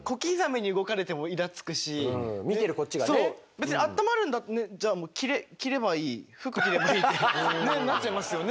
別にあったまるじゃあもう服着ればいいってなっちゃいますよね。